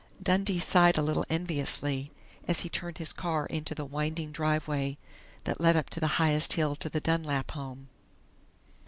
Dundee sighed a little enviously as he turned his car into the winding driveway that led up the highest hill to the Dunlap home.